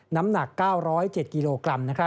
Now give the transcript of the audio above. น้ำหนัก๙๐๗กิโลกรัม